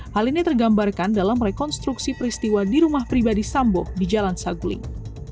hal ini tergambarkan dalam rekonstruksi peristiwa di rumah pribadi sambo di jalan saguling